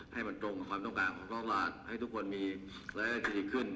ให้มันตรงกับความต้องการผมก็ให้ทุกคนมีรายได้ที่ดีขึ้น